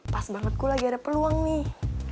pas banget gue lagi ada peluang nih